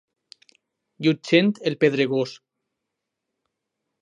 Llutxent, el pedregós.